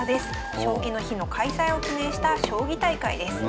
「将棋の日」の開催を記念した将棋大会です。